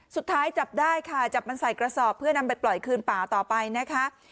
สุดท้ายจับได้ค่ะจับมันใส่กระสอบเพื่อนำไปปล่อยคืนป่าต่อไปนะคะ